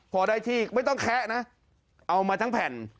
พอได้ที่ไม่ต้องแคะนะเอามาทั้งแผ่น